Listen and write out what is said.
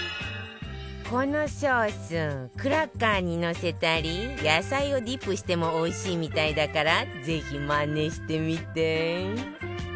このソースクラッカーにのせたり野菜をディップしてもおいしいみたいだからぜひまねしてみて